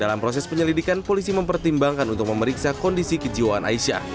dalam proses penyelidikan polisi mempertimbangkan untuk memeriksa kondisi kejiwaan aisyah